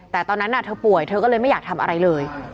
แต่ตอนนั้นเธอป่วยเธอก็เลยไม่อยากทำอะไรเลย